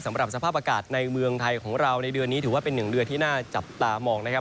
สำหรับสภาพอากาศในเมืองไทยของเราในเดือนนี้ถือว่าเป็นหนึ่งเดือนที่น่าจับตามองนะครับ